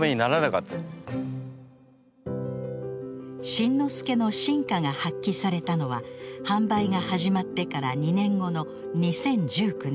新之助の真価が発揮されたのは販売が始まってから２年後の２０１９年。